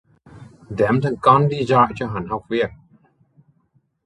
Đem thằng con đi dọi cho hắn học việc